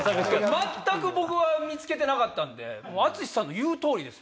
全く僕は見つけてなかったんで淳さんの言う通りです